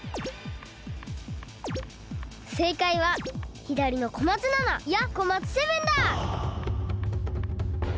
せいかいはひだりの小松７いや小松７だ！